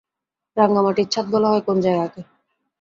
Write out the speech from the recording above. রাঙামাটির ছাদ বলা হয় কোন জায়গাকে?